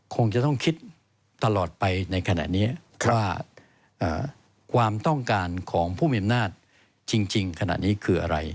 คงจะต้องคิดตลอดไปในขณะนี้ว่าความต้องการของผู้มีอำนาจจริงขณะนี้คืออะไร